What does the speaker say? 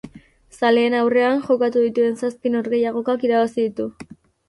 Zaleen aurrean jokatu dituen zazpi norgehiagokak irabazi ditu.